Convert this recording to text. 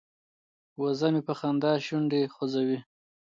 وزه مې په خندا شونډې خوځوي.